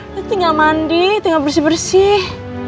nanti gak mandi nanti gak bersih bersih